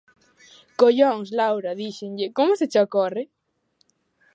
Collóns, Laura, díxenlle, como se che ocorre?